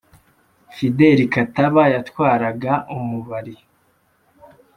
Fideli Kataba yatwaraga Umubari.